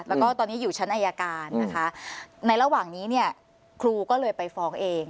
แล้วก็ตอนนี้อยู่ชั้นอายการนะคะในระหว่างนี้เนี่ยครูก็เลยไปฟ้องเอง